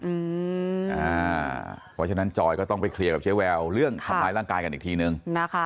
เพราะฉะนั้นจอยก็ต้องไปเคลียร์กับเจ๊แววเรื่องทำร้ายร่างกายกันอีกทีนึงนะคะ